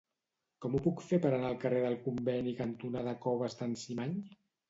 Com ho puc fer per anar al carrer Conveni cantonada Coves d'en Cimany?